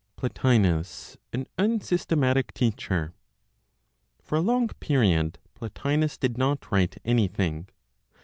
PLOTINOS AN UNSYSTEMATIC TEACHER. For a long period Plotinos did not write anything.